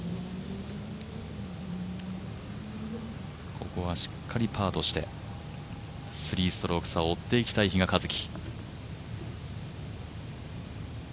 ここはしっかりパーとして３ストローク差を追っていきたい比嘉一貴。